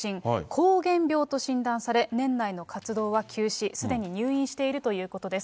膠原病と診断され、年内の活動は休止、すでに入院しているということです。